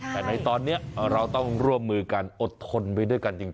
แต่ในตอนนี้เราต้องร่วมมือกันอดทนไปด้วยกันจริง